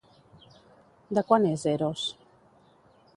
De quant és Eros?